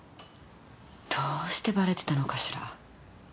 どうしてバレてたのかしら？